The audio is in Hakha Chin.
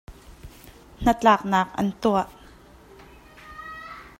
Hnatlaknak an tuah.